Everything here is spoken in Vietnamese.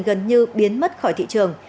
gần như biến mất khỏi thị trường